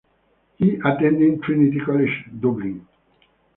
He attended Trinity College Dublin.